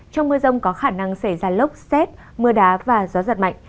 trong mưa rông có khả năng xảy ra lốc xét mưa đá và gió giật mạnh